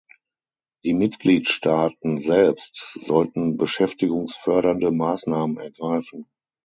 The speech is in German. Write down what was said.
Die Mitgliedstaaten selbst sollten beschäftigungsfördernde Maßnahmen ergreifen.